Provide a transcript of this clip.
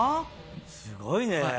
すごいね。